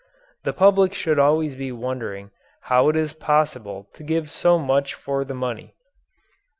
The public should always be wondering how it is possible to give so much for the money.